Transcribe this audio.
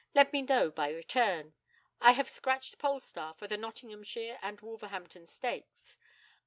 Let me know by return. I have scratched Polestar for the Nottinghamshire and Wolverhampton Stakes.